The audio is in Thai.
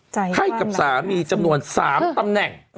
ให้กับสามีจำนวน๓ตำแหน่ง